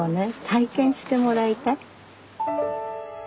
体験してもらいたい。